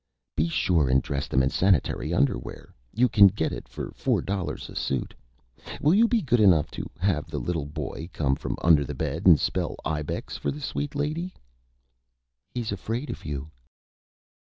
"Be sure and dress them in Sanitary Underwear; you can get it for Four Dollars a Suit. Will you be good enough to have the Little Boy come from under the Bed, and spell 'Ibex' for the Sweet Lady?" "He's afraid of you."